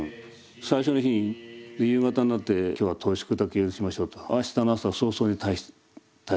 最初の日に夕方になって今日は投宿だけ許しましょうとあしたの朝早々に退散してくれと。